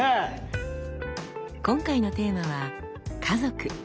今回のテーマは「家族」。